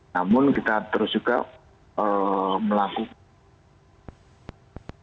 namun kita terus juga melakukan